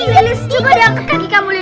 lili juga diangkat kaki kamu lili